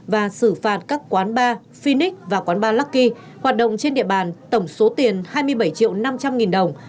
và xử phạt các quán bar finic và quán bar lucky hoạt động trên địa bàn tổng số tiền hai mươi bảy triệu năm trăm linh nghìn đồng